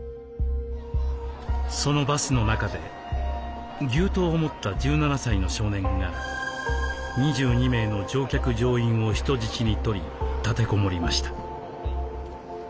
そのバスの中で牛刀を持った１７歳の少年が２２名の乗客乗員を人質にとり立てこもりました。